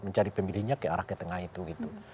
mencari pemilihnya ke arah ke tengah itu gitu